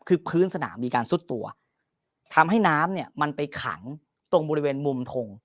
คือพื้นสนามมีการซุดตัวทำให้น้ำเนี่ยมันไปขังตรงบริเวณมุมทง